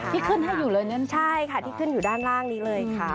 ที่ขึ้นให้อยู่เลยนั่นใช่ค่ะที่ขึ้นอยู่ด้านล่างนี้เลยค่ะ